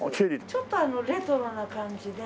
ちょっとあのレトロな感じで。